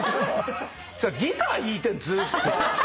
ギター弾いてずっと。